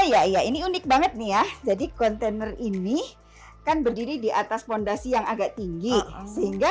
iya iya ini unik banget nih ya jadi kontainer ini kan berdiri di atas fondasi yang agak tinggi sehingga